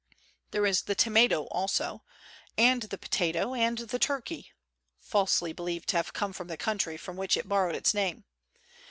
There is the tomato also, and the potato and the turkey (falsely believed to have come from the country from which it borrowed its name).